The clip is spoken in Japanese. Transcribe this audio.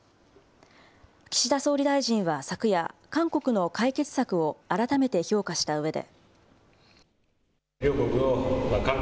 岸田総理大臣は昨夜、韓国の解決策を改めて評価したうえで。